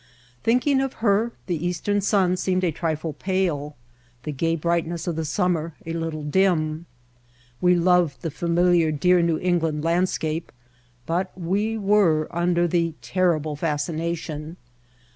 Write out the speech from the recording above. Thinking of her the eastern sun seemed a trifle pale, the gay brightness of summer a little dim. We loved the familiar, dear New England landscape, but we were under the "terrible fascination."